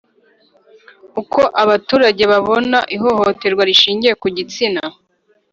Uko abaturage babona ihohoterwa rishingiye ku gitsina